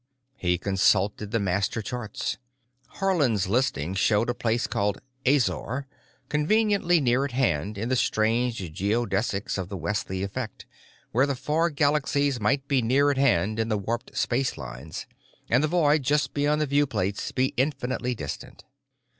He consulted the master charts. Haarland's listing showed a place called Azor, conveniently near at hand in the strange geodesics of the Wesley Effect, where the far galaxies might be near at hand in the warped space lines, and the void just beyond the viewplates be infinitely distant.